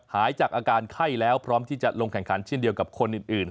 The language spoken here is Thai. หายจากอาการไข้แล้วพร้อมที่จะลงแข่งขันเช่นเดียวกับคนอื่น